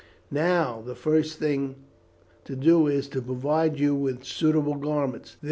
Now, the first thing to do is to provide you with suitable garments.